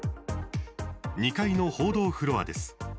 ２階の報道フロアです。